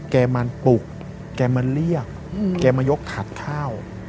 แกมาปลุกแกมาเรียกแกมายกขัดข้าว